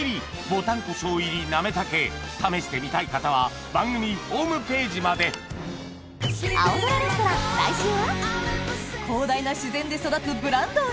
ぼたんこしょう入りなめたけ試してみたい方は番組ホームページまで広大な自然で育つブランド牛